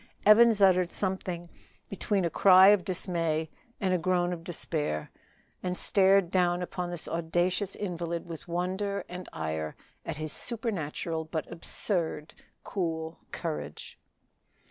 Evans uttered something between a cry of dismay and a groan of despair, and stared down upon this audacious invalid with wonder and ire at his supernatural but absurd cool courage.